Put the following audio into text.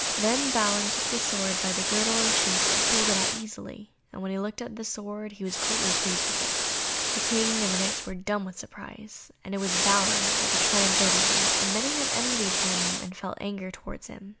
Then Balin took the sword by the girdle and sheath, and pulled it out easily, and when he looked at the sword he was greatly pleased with it. The King and the Knights were dumb with surprise that it was Balin who had triumphed over them, and many of them envied him and felt anger towards him.